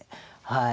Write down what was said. はい。